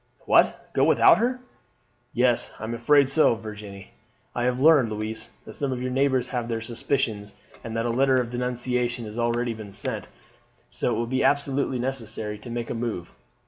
"What, go without her?" "Yes, I am afraid so, Virginie. I have learned, Louise, that some of your neighbours have their suspicions, and that a letter of denunciation has already been sent, so it will be absolutely necessary to make a move.